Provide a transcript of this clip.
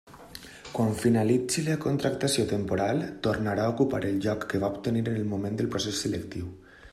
Quan finalitzi la contractació temporal, tornarà a ocupar el lloc que va obtenir en el moment del procés selectiu.